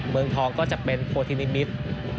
เมืองทองก็จะเป็นโพธินิมิตร